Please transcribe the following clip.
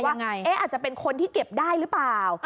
ก็บอกว่าเอ๊ะอาจจะเป็นคนที่เก็บได้หรือเปล่า